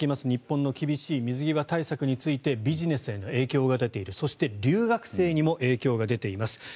日本の厳しい水際対策についてビジネスへの影響が出ているそして、留学生にも影響が出ています。